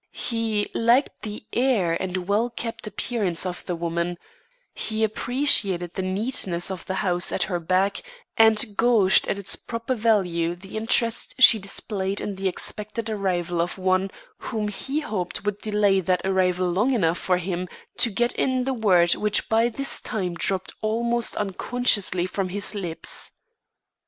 He liked the air and well kept appearance of the woman; he appreciated the neatness of the house at her back and gauged at its proper value the interest she displayed in the expected arrival of one whom he hoped would delay that arrival long enough for him to get in the word which by this time dropped almost unconsciously from his lips.